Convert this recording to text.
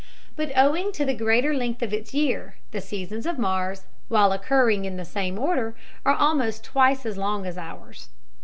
But owing to the greater length of its year, the seasons of Mars, while occurring in the same order, are almost twice as long as ours.